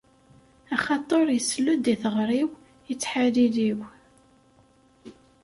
Axaṭer isell-d i tiɣri-w, i ttḥalil-iw.